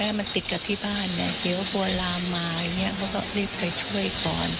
แล้วมันติดกับที่บ้านเดี่ยวโบรามาเธอก็ลิ่บไปช่วยก่อน